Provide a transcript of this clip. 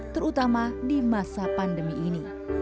terutama di masa pandemi ini